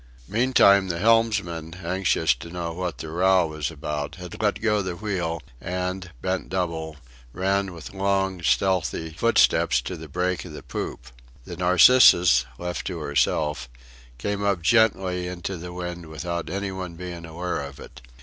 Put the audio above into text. Meantime the helmsman, anxious to know what the row was about, had let go the wheel, and, bent double, ran with long, stealthy footsteps to the break of the poop. The Narcissus, left to herself, came up gently in to the wind without any one being aware of it.